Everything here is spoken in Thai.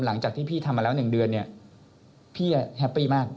หลังจากที่พี่ทำมาแล้ว๑เดือนเนี่ยพี่แฮปปี้มาก